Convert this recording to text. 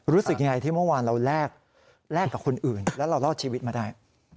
รู้สึกยังไงที่เมื่อวานเราแลกกับคนอื่นแล้วเรารอดชีวิตมาได้